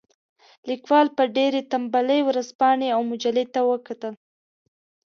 لیکوال په ډېرې تنبلۍ ورځپاڼې او مجلې ته وکتل.